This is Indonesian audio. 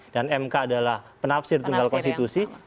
dan mk adalah penafsir tunggal konstitusi